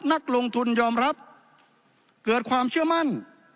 นักลงทุนยอมรับเกิดความเชื่อมั่น